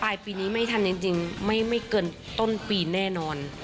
ปีนี้ไม่ทันจริงไม่เกินต้นปีแน่นอน